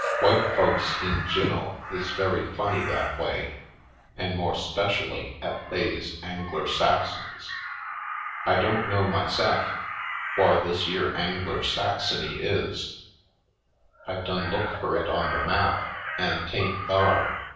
W'ite folks in gin'el is very funny that way an' more 'specially ef they is Angler Saxons. I don't know, myse'f, whar this yere Angler Sax ony is. I done look fur it on the map an' 'tain't thar.